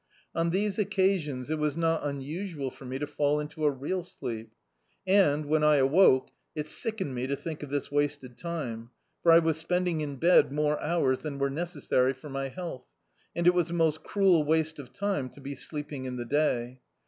On these occasions it was not unusual for me to fall into a real sleep. And, when I awoke, it sickened me to think of this wasted time; for I was spending in bed more hours than were necessary for my health, and it was a most cruel waste of time to be sleeping in the day.